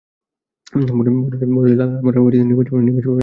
বদ্রীসা, লালা আলমোড়া-নিবাসী ব্যবসায়ী, স্বামীজীর ভক্ত।